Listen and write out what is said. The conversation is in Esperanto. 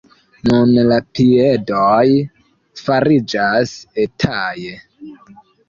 Nun la piedoj fariĝas etaj.